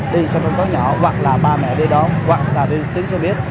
đi sân phòng có nhỏ hoặc là ba mẹ đi đó hoặc là đi tuyến xe buýt